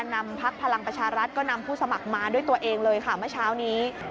นำพักพลังประชารัฐก็นำผู้สมัครมาด้วยตัวเองเลยค่ะเมื่อเช้านี้